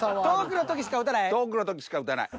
遠くの時しか撃たない？